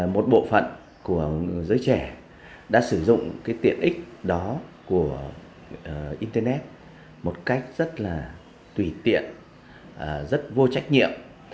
một bộ phận của giới trẻ đã sử dụng cái tiện ích đó của internet một cách rất là tùy tiện rất vô trách nhiệm